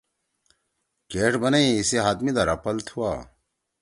کیݜ بنئی: ”ایِسی ہات می دا رپل تُھوا۔“